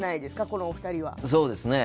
このお二人は。